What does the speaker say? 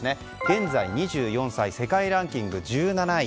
現在２４歳世界ランキング１７位。